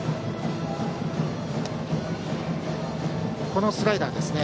このスライダーですね。